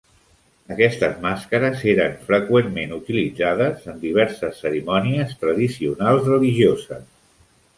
Aquestes màscares eren freqüentment utilitzades en diverses cerimònies tradicionals religioses.